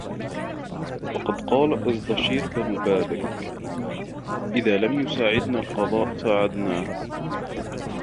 وَقَدْ قَالَ أَزْدَشِيرُ بْنُ بَابَكَ إذَا لَمْ يُسَاعِدْنَا الْقَضَاءُ سَاعَدْنَاهُ